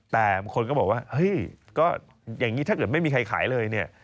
แต่บางคนก็บอกว่าเฮ้ยก็อย่างนี้ถ้าเกิดไม่มีใครขายเลยเนี่ย